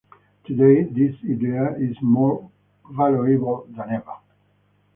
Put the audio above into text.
Today this idea is more valuable than ever’.